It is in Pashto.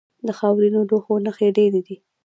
د خاورینو لوښو نښې ډیرې دي